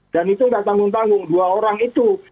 dan itu tidak tanggung tanggung dua orang itu